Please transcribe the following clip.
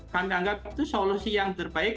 kami anggap itu solusi yang terbaik